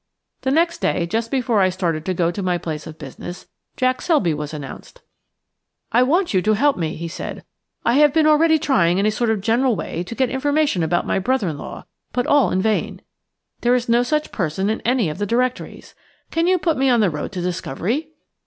The next day, just before I started to go to my place of business, Jack Selby was announced. "I want you to help me," he said. "I have been already trying in a sort of general way to get information about my brother in law, but all in vain. There is no such person in any of the directories. Can you put me on the road to discovery?"